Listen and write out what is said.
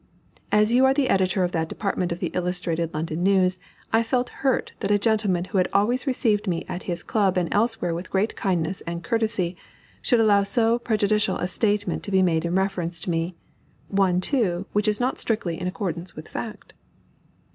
As you are the editor of that department of the Illustrated London News, I felt hurt that a gentleman who had always received me at his club and elsewhere with great kindness and courtesy, should allow so prejudicial a statement to be made in reference to me one, too, which is not strictly in accordance with fact.